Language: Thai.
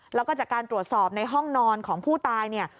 แล้วก็จากการตรวจสอบในห้องนอนของผู้ตายเนี่ย